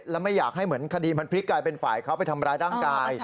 แล้วไม่อยากให้เหมือนคดีมันพลิกกลายเป็นฝ่ายเขาไปทำร้ายร่างกาย